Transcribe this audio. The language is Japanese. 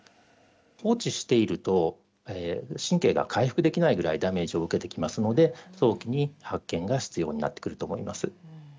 放置していると神経が回復できないぐらいダメージを受けてきますので早期に発見が必要になってくると思います。